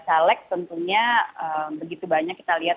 caleg tentunya begitu banyak kita lihat